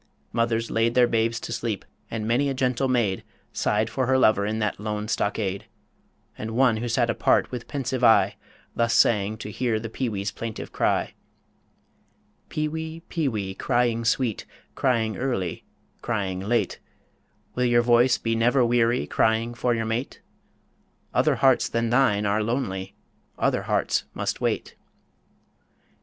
Mothers laid Their babes to sleep, and many a gentle maid Sighed for her lover in that lone stockade; And one who sat apart, with pensive eye, Thus sang to hear the peewee's plaintive cry _Peewee, peewee, crying sweet, Crying early, crying late Will your voice be never weary Crying for your mate? Other hearts than thine are lonely, Other hearts must wait.